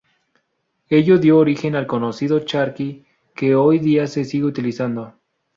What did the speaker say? Ello dio origen al conocido charqui, que hoy día se sigue utilizando.